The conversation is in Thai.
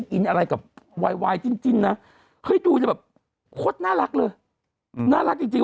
กินอะไรกับว่ายจริงนะคือก็น่ารักเลยอืมน่ารักจริง